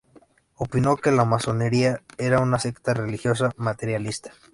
Opinó que la masonería era una secta religiosa materialista.